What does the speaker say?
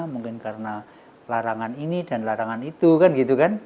mungkin karena larangan ini dan larangan itu